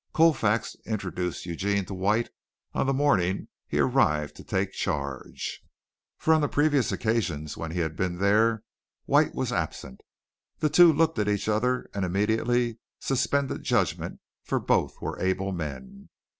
Colfax introduced Eugene to White on the morning he arrived to take charge, for on the previous occasions when he had been there White was absent. The two looked at each other and immediately suspended judgment, for both were able men.